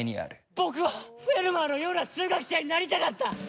僕はフェルマーのような数学者になりたかった！